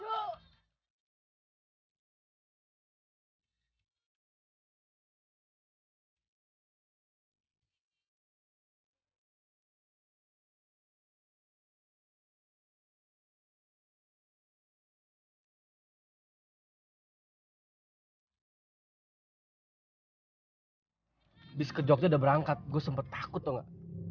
abis kejogja udah berangkat gue sempet takut tau gak